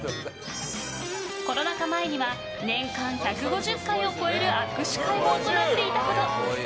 コロナ禍前には年間１５０回を超える握手会を行っていたほど。